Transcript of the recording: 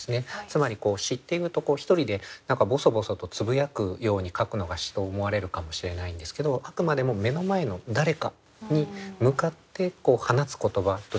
つまり詩っていうと一人で何かボソボソとつぶやくように書くのが詩と思われるかもしれないんですけどあくまでも目の前の誰かに向かって放つ言葉として詩を書いてらっしゃった。